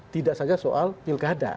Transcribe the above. tidak saja soal pilkada